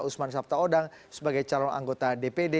usman sabtaodang sebagai calon anggota dpd